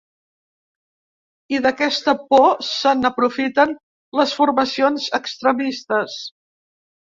I d’aquesta por se n’aprofiten les formacions extremistes.